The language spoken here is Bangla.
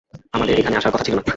আমাদের এখানে আসার কথা ছিল না।